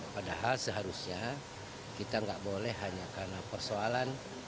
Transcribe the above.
padahal seharusnya kita nggak boleh hanya karena persoalan